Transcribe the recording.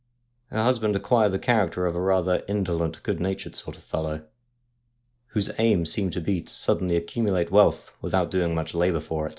Her husband acquired the character of a rather in dolent, good natured sort of fellow, whose aim seemed to be to suddenly accumulate wealth without doing much labour for it.